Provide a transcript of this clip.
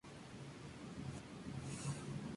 Tras una sufrida terapia, tuvo una remisión parcial.